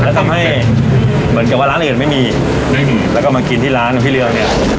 แล้วทำให้เหมือนกับว่าร้านอื่นไม่มีไม่มีแล้วก็มากินที่ร้านของพี่เรืองเนี่ย